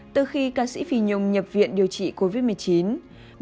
từ khi ca sĩ phi nhung nhập viện điều trị covid một mươi chín